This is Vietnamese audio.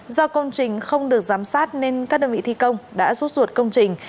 do công trình không được giám sát nên các đơn vị thi công đã rút ruột công trình